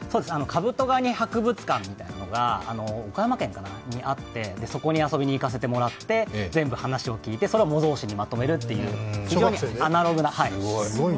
カブトガニ博物館みたいのが岡山県にあってそこに遊びに行かせてもらって全部話を聞いてそれを模造紙にまとめるという、アナログな。